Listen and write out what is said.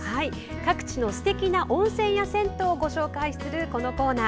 各地のすてきな温泉や銭湯をご紹介するこのコーナー。